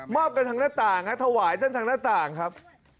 กันทางหน้าต่างถวายตั้งทางหน้าต่างครับ